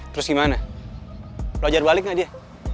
terus gimana lo ajar balik gak dia